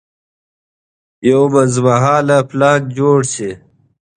یو منځمهاله پلان جوړ شي.